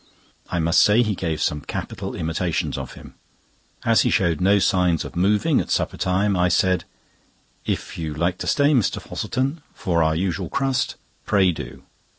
I must say he gave some capital imitations of him. As he showed no signs of moving at supper time, I said: "If you like to stay, Mr. Fosselton, for our usual crust—pray do."